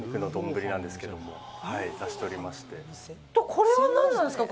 これは何なんですか？